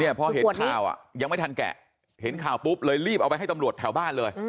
พอเห็นข่าวยังไม่ทันแกะเห็นข่าวปุ๊บเลยรีบเอาไปให้ตำรวจแถวบ้านเลย